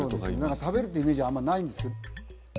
何か食べるっていうイメージあんまないんですけど